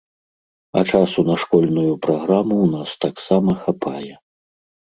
А часу на школьную праграму ў нас таксама хапае.